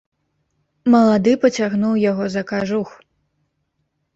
Малады пацягнуў яго за кажух.